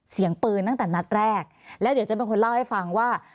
เสียงปืนตั้งแต่นัดแรกแล้วเดี๋ยวจะเป็นคนเล่าให้ฟังว่า